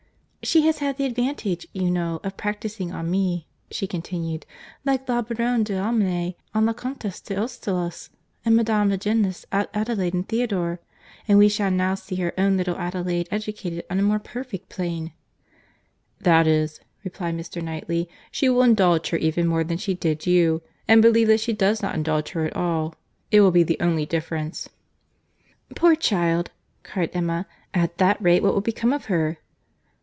"She has had the advantage, you know, of practising on me," she continued—"like La Baronne d'Almane on La Comtesse d'Ostalis, in Madame de Genlis' Adelaide and Theodore, and we shall now see her own little Adelaide educated on a more perfect plan." "That is," replied Mr. Knightley, "she will indulge her even more than she did you, and believe that she does not indulge her at all. It will be the only difference." "Poor child!" cried Emma; "at that rate, what will become of her?"